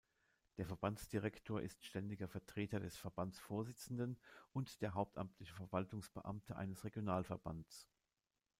Der Verbandsdirektor ist ständiger Vertreter des Verbandsvorsitzenden und der hauptamtliche Verwaltungsbeamte eines Regionalverbands.